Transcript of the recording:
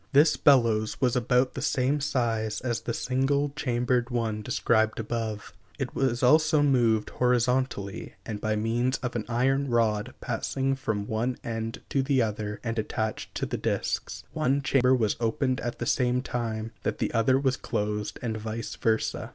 This bellows was about the same size as the single chambered one described above. It was also moved horizontally, and by means of an iron rod passing from one end to the other and attached to the disks, one chamber was opened at the same time that the other was closed, and vice versa.